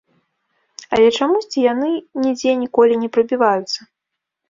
Але чамусьці яны нідзе ніколі не прабіваюцца.